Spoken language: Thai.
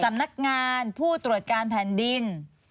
สำนักงานผู้ตรวจการแผ่นดิน